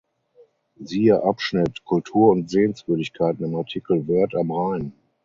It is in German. Siehe Abschnitt „Kultur und Sehenswürdigkeiten“ im Artikel Wörth am Rhein.